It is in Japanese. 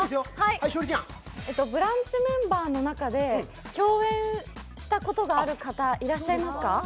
「ブランチ」メンバーの中で共演したことがある方いらっしゃいますか？